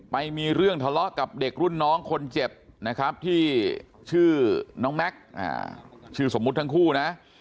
ไปมีเรื่องทะเลาะกับเด็กรุ่นน้องคนเจ็บนะครับที่ชื่อน้องแม็กซ์ชื่อสมมุติทั้งคู่นะ